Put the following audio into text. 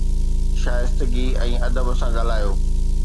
شائستگي ۽ ادب سان ڳالهايو.